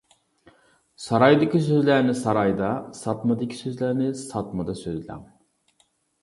سارايدىكى سۆزلەرنى سارايدا، ساتمىدىكى سۆزلەرنى ساتمىدا سۆزلەڭ.